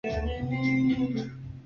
bam ameweka bayana nchi yake